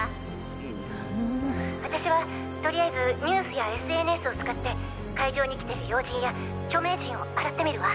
私はとりあえずニュースやＳＮＳを使って会場に来てる要人や著名人を洗ってみるわ。